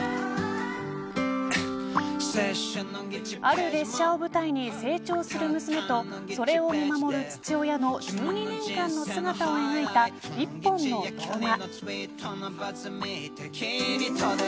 ある列車を舞台に成長する娘とそれを見守る父親の１２年間の姿を描いた１本の動画。